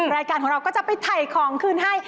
รายการของเราก็จะไปถ่ายของคืนให้